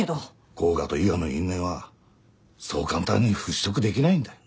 甲賀と伊賀の因縁はそう簡単に払拭できないんだよ。